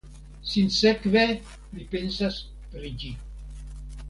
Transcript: Sinsekve li pensas pri ĝi.